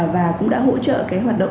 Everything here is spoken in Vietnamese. và cũng đã hỗ trợ cái hoạt động